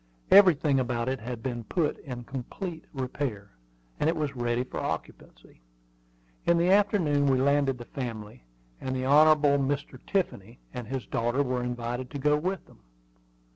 Everything about it had been put in complete repair, and it was ready for occupancy. In the afternoon we landed the family, and the Hon. Mr. Tiffany and his daughter were invited to go with them.